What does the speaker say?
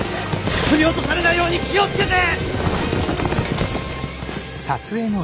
振り落とされないように気をつけて！